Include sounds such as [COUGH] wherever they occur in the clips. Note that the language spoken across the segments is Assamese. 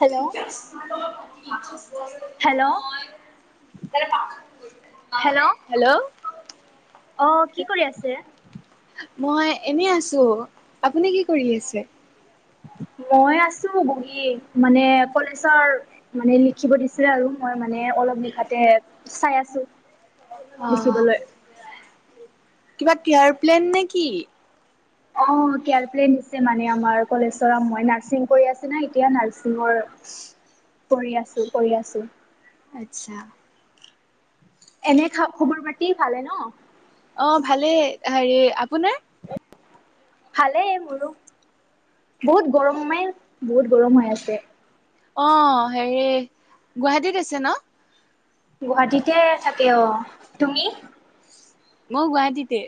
Hello hello. আহ কি কৰি আছে? মই এনে আছো আপুনি কি কৰি আছে? [INAUDIBLE] মই আছো বহী মানে কলেজৰ মানে লিখিব দিছিলে আৰু মই মানে অলপ নিশাতে চাই আছো। লিখিবলৈ অ', কিবা কেয়াৰ প্লেন নেকি? অ', কেয়াৰপ্লেন নিছে মানে আমাৰ কলেজ মই নাৰ্ছিং কৰি আছোঁ যে এতিয়া নাৰছিংৰ কৰি আছো, কৰি আছো। আচ্ছা। এনে খা খবৰ পাতি ভালে ন? অ, ' ভালেই হেৰি আপোনাৰ। উ। ভালেই মোৰো বহুত গৰম যে, বহুত গৰম হৈ আছে। অ', হেৰি গুৱাহাটীত আছে ন? গুৱাহাটীতে থাকে অ', তুমি মই গুৱাহাটীতে।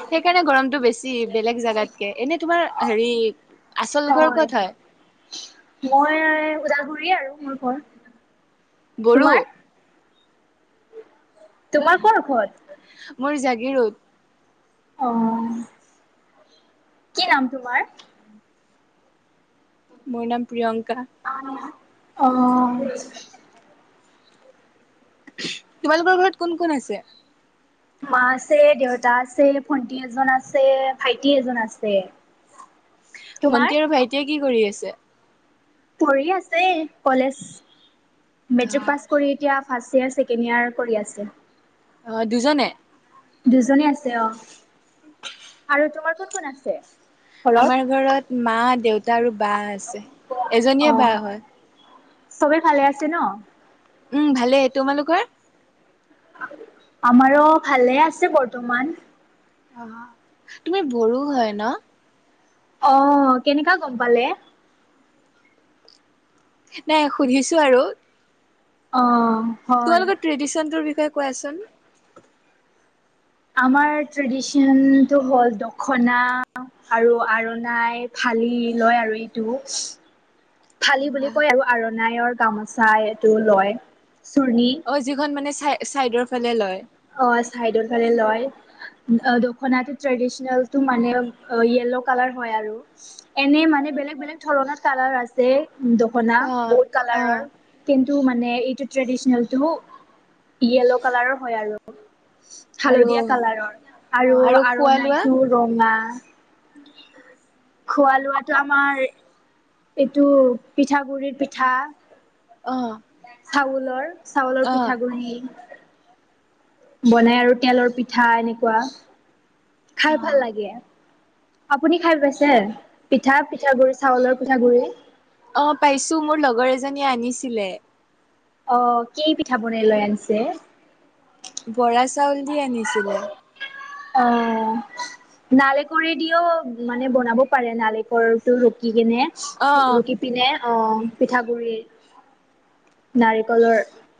সেইকাৰণে গৰমটো বেছি বেলেগ জোগাতকে, এনে তোমাৰ হেৰি আচল ঘৰ ক'ত হয়? মই ওদাগুৰি আৰু মোৰ ঘৰ। বড়ো। তোমাৰ তোমাৰ ঘৰত ক'ত। মোৰ জাগিৰোড। অ', কি নাম তোমাৰ? মোৰ নাম প্ৰিয়ংকা? অ',। তোমালোকৰ ঘৰত কোন কোন আছে? মা, আছে, দেউতা আছে, ভন্টি এজনী আছে, ভাইটি এজন আছে। উ। ভন্টি আৰু ভাইটিয়ে কি কৰি আছে? পঢ়ি আছে কলেজ মেট্ৰিক অ' পাছ কৰি এতিয়া ফাৰ্ষ্ট ইয়েৰ ছেকেণ্ড ইয়েৰ কৰি আছে। আহ, দুজনে? দুজনী আছে অ। আৰু তোমাৰ কত কোন আছে? ঘৰত? আমাৰ ঘৰত মা দেউতা আৰু বা আছে এজনীয়ে বা হয়। সবেই ভালে আছে ন? উম, ভালেই। তোমালোকৰ? আমাৰো ভালে আছে বৰ্তমান। অ, তুমি বড়ো হয় ন। অ, কেনেকা গম পালে। নাই সুধিছো আৰু। অ' হয়। তোমালোকৰ ট্ৰেডিচনটোৰ বিষয়ে কোৱাচোন। আমাৰ ট্ৰেডিচনটো হ'ল দখনা আৰু আৰুনাই। থালি লয় আৰু ইটো, থালি বুলি কয় আৰু, আৰু নায়ৰ গামোচা এইটো লয়। চুৰ্ণি অ', যিখন মানে চাই-চাইডৰ ফালে লয়? অ', চাইডৰ ফালে লয়। অ', দখনাটো ট্ৰেডিচনেলটো মানে য়েল্লো কালাৰ হয় আৰু এনে মানে বেলেগ বেলগ ধৰণৰ কালাৰ আছে দখনা অ' বহুত কালাৰৰ অ' কিন্তু মানে মানে এইটো ট্ৰেডিচনেলটো য়েল্ল' কালাৰৰ হয় আৰু। আৰু হালধীয়া কালাৰৰ অ' আৰু খোৱা লোৱা? আৰণাইটো ৰঙা। খোৱা লোৱাটো আমাৰ এইটো পিঠাগুৰিৰ পিঠা। অ'। চাউলৰ চাউলৰ অ' পিঠাগুৰি। বনাই আৰু তেলৰ পিঠা এনেকুৱা। খাই ভাল লাগে। আপুনি খাই পাইছে পিঠা পিঠাগুডৰি চাউলৰ পিঠাগুৰি? অ', পাইছোঁ, মোৰ লগৰ এজনীয়ে আনিছিলে। অ', কেই পিঠা বনাই লৈ আনছে? বৰা চাউল দি আনিছিলে। অহ। নালিকৰে দিঅ মানে বনাব পাৰে নালিকলটো ৰুকি। গেনে অ' ৰুকি পিনে অহ, পিঠাগুৰি। নাৰিকলৰ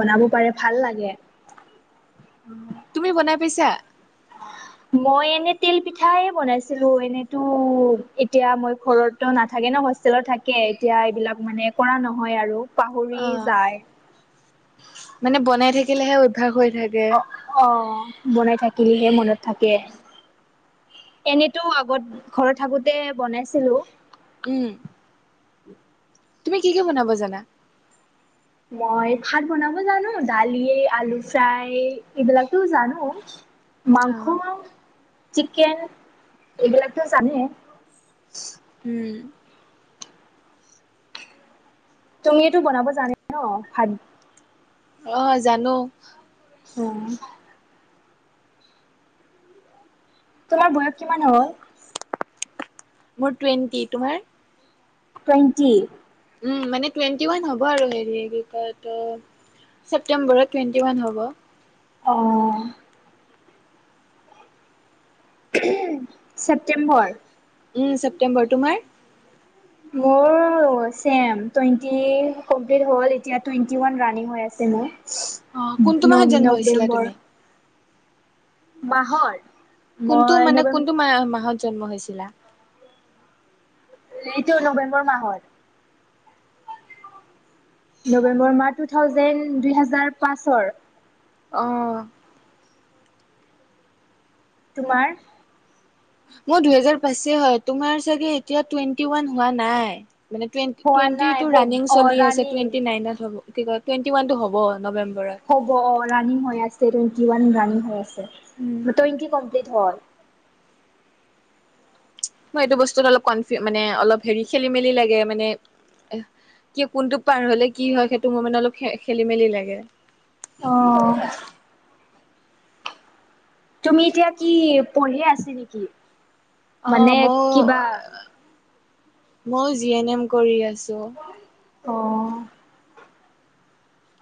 বনাব পাৰে, ভাল লাগে। তুমি বনাই পাইছা? [INAUDIBLE] মই এনে তিল পিঠাই বনাইছিলোঁ এনেটো এতিয়া মই ঘৰতো নাথাকে নহ হোষ্টেলত থাকে এতিয়া এইবিলাক মানে কৰা নহয় আৰু। পাহৰি অ', যায় মানে বনাই থাকিলেহে অভ্যাস হৈ থাকে। অ', অ', বনাই থাকিলিহে মনত থাকে। এনেতো আগত ঘৰত থাকোঁতে বনাইছিলো। উম, তুমি কি, কি বনাব জানা? মই ভাত বনাব জানোঁ, দালি, আলু ফ্ৰাই এইবিলাকটো জানোঁ। অ মাংস, চিকেন এইবিলাকটো জানে? উম। তুমিটো বনাব জানে ন! ভাত অ', জানোঁ। অ'। তোমাৰ বয়স কিমান হ'ল? মোৰ টুৱেণ্টি। তোমাৰ? টুৱেণ্টি। উম, মানে টুৱেণ্টি ওৱান হ'ব আৰু হেৰি কি কয় ত' ছেপ্টেম্বৰত টুৱেণ্টি ওৱান হ'ব। অ'। ছেপ্তেম্বৰ উম, ছেপ্টেম্বৰ তোমাৰ? মোৰ ছেম টুৱেণ্টি কমপ্লিট হ'ল, এতিয়া টুৱেণ্টি ওৱান ৰাণিং হৈ আছে মোৰ। অ কোনটো মাহত জন্ম হৈছিলা তুমি? ন-নৱেম্বৰ মাহৰ কোনটো মানে কোনটো ম মাহত জন্ম হৈছিলা এইটো নৱেম্বৰ মাহত নৱেম্বৰ মাহ টু থাউজেণ্ড দু হোজাৰ পাঁচৰ আহ তোমাৰ [INAUDIBLE] মানে টুৱেটি টুৱেট ৰানিং চলি আছে টুৱেণ্টি হোৱা নাই নাইনত অ হ' ৰানিং কি টুৱেটি ওানটো হব নৱেম্বৰ। হ'ব অ উম, প্লট হয় মই এইটো বস্তুত অলপ ক মানে অলপ হেৰি খেলি মেলি লাগে মানে কি কোনটো পাৰ হলে কি হয় সেইটো মোৰ মানে অলপ খেলি মেলি লাগে আহ তুমি এতিয়া কি পঢ়ে আছা নেকি মানে কিবা মই জি এন এম কৰি আছোঁ। অ [INAUDIBLE]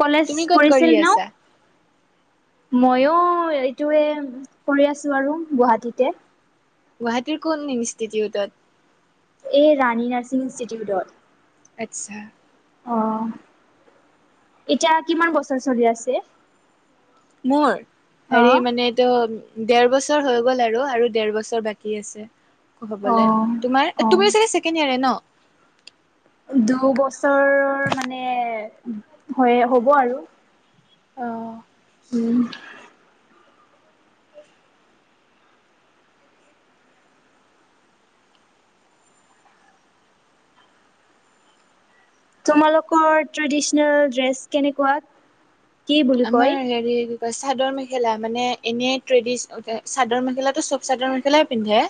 কলেজ তুমি ক'ত কৰি পঢ়িছিল ন আছা? ময়ো এইটোৱে কৰি আছো আৰু গুৱাহাটীতে গুৱাহাটীৰ কোন ইনষ্টিটিউটত [INAUDIBLE] এই ৰাণী নাৰ্ছিং ইনষ্টিউটত আচ্ছা অ' এতিয়া কিমান বছৰ চলি আছে [INAUDIBLE] মোৰ অ হেৰি মানে এইটো দেৰ বছৰ হৈ গ'ল আৰু আৰু দেৰ বছৰ বাকী আছে [INAUDIBLE] অ হবলে তোমাৰ অ তুমি চাগে ছেকেণ্ড ইয় ন দুবছৰৰ মানে হয় হ'ব আৰু অ' উম [INAUDIBLE] তোমালোকৰ ট্ৰেডিচনেল ড্ৰেছ কেনেকুৱাত [INAUDIBLE] আমাৰ হেৰি চাদৰ মেখেলা মানে এনেই ট্ৰেডিছ চাদৰ মেখেলাটো চব চাদৰ মেখেলাই পিন্ধে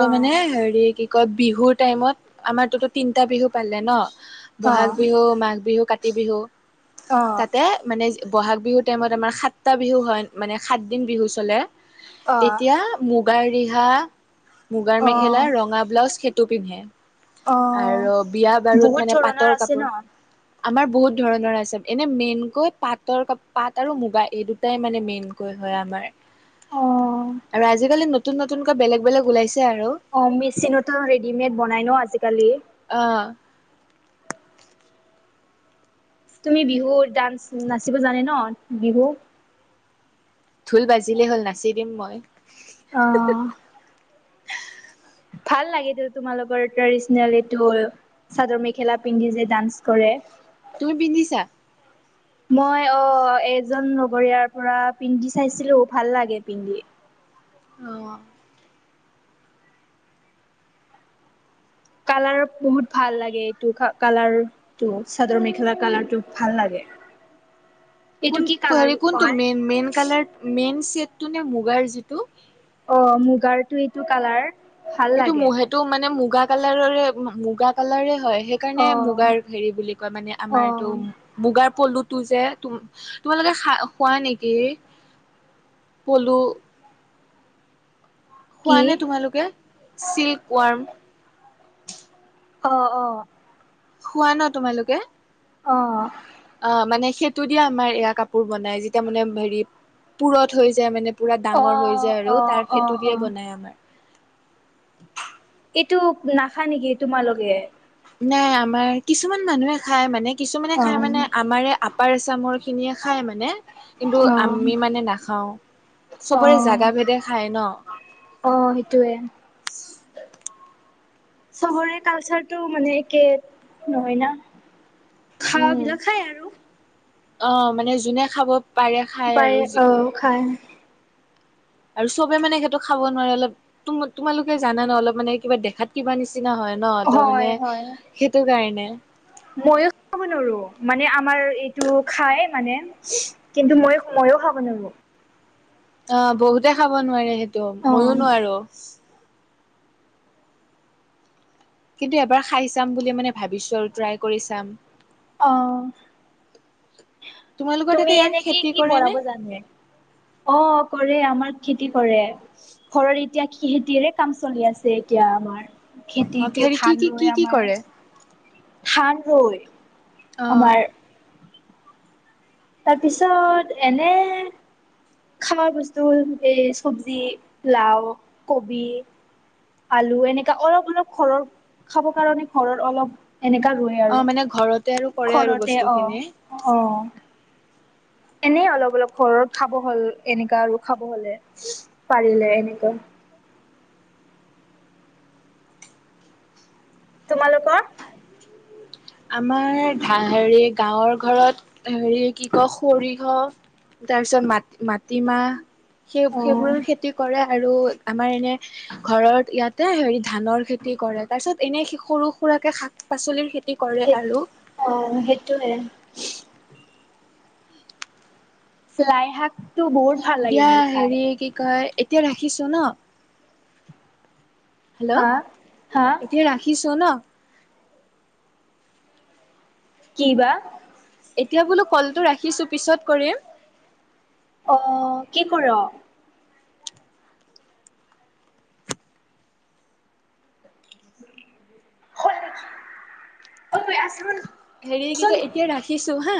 অ মানে হেৰি কি কয় বিহুৰ টাইমত আমাৰতো তিনটা বিহু পালে ন অ বহাগ বিহু মাঘ বিহু কাতি বিহু অ তাতে মানে বহাগ বিহুৰ টাইমত আমাৰ সাতটা বিহু হয় মানে সাতদিন বিহু চলে। অ এতিয়া মুগাৰ ৰিহা মুগাৰ অ মেখেলা ৰঙা ব্লাউজ খে টো পিন্ধে অ আৰু বিয়া বাৰুত বহুত মানে ধৰণৰ পাটৰ আছে ন কাপোৰ [INAUDIBLE] আমাৰ বহুত ধৰণৰ আছে এনে মেইনকৈয় পাত পাট আৰু মুগা এই দুটাই মানে মেইনকৈ হয় আমাৰ অ আৰু আজিকালি নতুন নতুনকৈ বেলেগ বেলেগ ওলাইছে আৰু অ মেচিনতো ৰেডিমেড বনাই ন আজিকালি অহ [INAUDIBLE] তুমি বিহু ডান্স নাচিব জানে ন বিহু ঢোল বাজিলেই হ'ল নাচি দিম মই অ ভাল লাগে তোমালোকৰ ট্ৰেডিচনেলটো চাদৰ মেখেলা পিন্ধি যে ডান্স কৰে তোৰ পিন্ধিছা [UNINTELLIGIBLE] মই অ এজন লগৰীয়াৰ পৰা পিন্ধি চাইছিলোঁ ভাল লাগে পিন্ধি অহ কালাৰ বহুত ভাল লাগে এইটো কালাৰটো চাদৰ মেখেলা কালাৰটো ভাল লাগে [UNINTELLIGIBLE] কোন কি কালাৰ হেৰি কোনটো কয় মেইন-মেইন কালাৰ মেইন চেটটো যে মুগাৰ যিটো, অ' মুগাৰটো এইটো কালাৰ। ভাল লাগে সেইটো-সেইটো মানে মুগা কালাৰৰে মুগা কালাৰে হয়। অ সেইকাৰণে মুগাৰ হেৰি বুলি কয় মানে অ আমাৰ এইটো মুগাৰ পলুত, তো যে তুম তোমালোকে খা খোৱা নেকি পলু? খোৱা কি নে তোমালোকে চিল্ক ৱাৰ্ম। অ-অ, খোৱা ন তোমালোকে। অ, অ, মানে সেইটো দিয়ে আমাৰ এয়া কাপোৰ বনাই যেতিয়া মানে হেৰি পুৰত হৈ যায় মানে। পুৰা ডাঙৰ হৈ অ', যায় আৰু অ', তাৰ সেটো অ', দিয়ে অ'। বনাই আমাৰ, এইটো নাখা নেকি তোমালোকে? নাই আমাৰ কিছুমান মানুহে খাই মানে কিছুমানে খাই অ', মানে আমাৰে আপাৰ আচামৰ, খিনিয়ে খায় মানে কিন্তু অ', আমি মানে নাখাওঁ। চবৰে জাগা ভেদে খায় ন। অ'সেইটোৱে। চবৰে কালচাৰটো মানে একে নহয় না। খাৱা উম, বিলাক খায় আৰু। অ, মানে যোনে খাব পাৰে খায় পাৰে আৰু। অ', খাই। আৰু চবে মানে সেইহটো খাব নোৱাৰে অলপ তোমালোকে জানা ন অলপ মানে কিবা দেখাত কিবা নিচিনা। নিচিনা হয় ন ত মানে হয়, হয়। সেইটো কাৰণে। ময়ো খাব নোৱাৰো মানে আমাৰ এইটো খাই মানে কিন্তু মই ময়ো খাব নোৱাৰো। অ, বহুতে খাব নোৱাৰে সেইটো ময়ো অ'। নোৱাৰো। কিন্তু এবাৰ খাই চাম বুলি মানে ভাবিছো আৰু ট্ৰাই কৰি চাম। অ', তোমালোকৰ তুমি তাতে ইয়াৰ এনেকে খেতি কি কৰে নে বঢ়াব জানে অ' কৰে আমাৰ, খেতি কৰে ঘৰৰত এতিয়া খেতিৰে কাম চলি আছে এতিয়া আমাৰ। অ খেতি কিয় হেৰি কি ধান কি কি ৰুৱে কি আমাৰ কৰে ধান ৰয়। অ, তাৰপিছত এনে খাবাৰ বস্তু এই চব্জি লাও কবি। আলু এনেকা অলপ অলপ ঘৰৰ খাব কাৰণে ঘৰৰ অলপ, এনেকা ৰুৱ অ আৰু মানে ঘৰতে আৰু কৰে আৰু ঘৰতে বস্তু খিনি অহ-অহ। এনেই অলপ-অলপ ঘৰৰ খাব হল এনেকাা আৰু খাব হলে। পাৰিলে উম এনেকুৱা। তোমালোৰ? [UNINTELLIGIBLE] আমাৰা হেৰি গাঁৱৰ ঘৰত হেৰি কি কয় সৰিয়হ, তাৰ পিছত মা মাটিমাহ সেই অ'। সেইবোৰৰ খেতি কৰে। আৰু আমাৰ এনে ঘৰত ইয়াতে হেৰি ধানৰ খেতি কৰে তাৰ পিছত এনে সৰু সুৰাকে শাক। পাচলিৰ খেতি, কৰে সেই আৰু অ' সেইটোৱে। লাই শাক। দিয়া হেৰি কি কয় এতিয়া ৰাখিছো ন। হেল্ল' হা হা এতিয়া ৰাখিছো ন। কি বা? এতিয়া বোলো কলটো ৰাখিছো পিছত কৰিম। অ কি কৰ? ন অই আছিল [UNINTELLIGIBLE] হেৰি কি কয় এতিয়া ৰাখিছো হা।